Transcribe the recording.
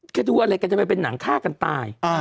แค่ดูอะไรกันจะไปเป็นหนังฆ่ากันตาย